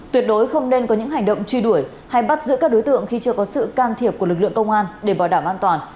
tuyệt đối không nên có những hành động truy đuổi hay bắt giữ các đối tượng khi chưa có sự can thiệp của lực lượng công an để bảo đảm an toàn